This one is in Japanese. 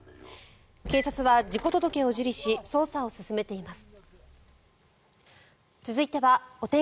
警察は、事故届を受理し捜査を進めています。